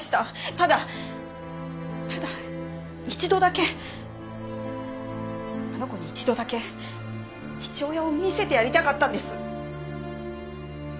ただただ一度だけあの子に一度だけ父親を見せてやりたかったんです。